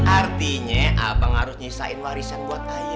artinya abang harus nyisain warisan buat ayah